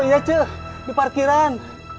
oh iya cek di parkiran